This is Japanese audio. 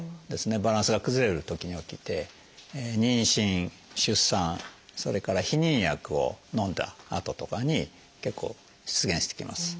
バランスが崩れるときに起きて妊娠出産それから避妊薬をのんだあととかに結構出現してきます。